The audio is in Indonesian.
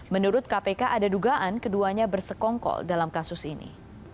menurut kpk ada dugaan keduanya bersekongkol dalam kasus ini